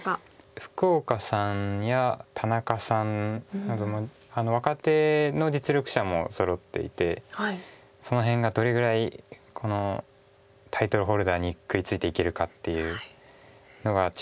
福岡さんや田中さんなどの若手の実力者もそろっていてその辺がどれぐらいタイトルホルダーに食いついていけるかっていうのが注目です。